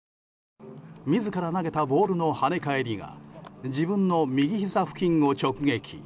自ら投げたボールの跳ね返りが自分の右ひざ付近を直撃。